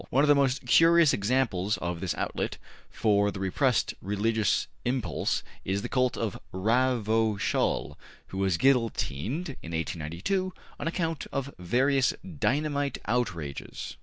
One of the most curious examples of this outlet for the repressed religious impulse is the cult of Ravachol, who was guillotined in 1892 on account of various dynamite outrages.